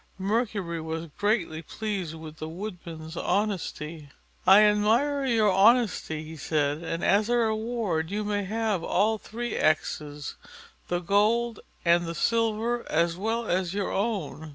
Mercury was greatly pleased with the Woodman's honesty. "I admire your honesty," he said, "and as a reward you may have all three axes, the gold and the silver as well as your own."